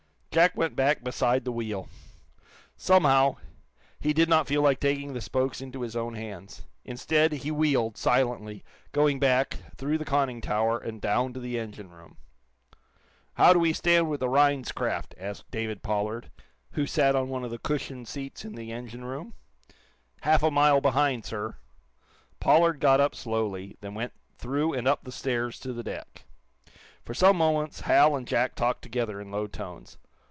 Jack went back beside the wheel. Somehow, he did not feel like taking the spokes into his own hands. Instead, he wheeled, silently, going back, through the conning tower, and down to the engine room. "How do we stand with the Rhinds craft?" asked David Pollard, who sat on one of the cushioned seats in the engine room. "Half a mile behind, sir." Pollard got up slowly, then went through and up the stairs to the deck. For some moments Hal and Jack talked together, in low tones.